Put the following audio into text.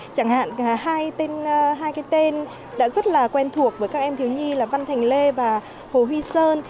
chẳng hạn hai cái tên đã rất là quen thuộc với các em thiếu nhi là văn thành lê và hồ huy sơn